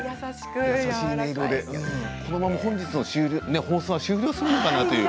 このまま本日の放送終了するのかなと。